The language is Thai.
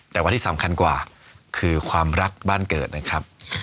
แต่ว่าที่สำคัญกว่าคือความรักบ้านเกิดนะครับ